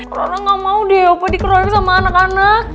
karena gak mau deh opa dikeroyok sama anak anak